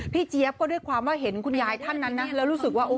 เจี๊ยบก็ด้วยความว่าเห็นคุณยายท่านนั้นนะแล้วรู้สึกว่า